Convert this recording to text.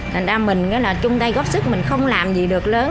thành ra mình là chung tay góp sức mình không làm gì được lớn